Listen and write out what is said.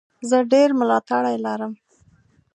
زه ډېر ملاتړي لرم.